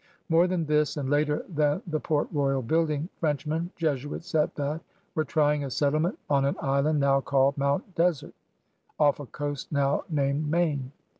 More than this, and later than the Port Royal building. Frenchmen — Jesuits at that! — were trying a settlement on an island now called Mount Desert, off a coast now named Maine.